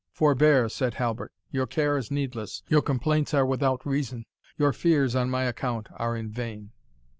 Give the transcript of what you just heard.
"Forbear," said Halbert "your care is needless your complaints are without reason your fears on my account are in vain."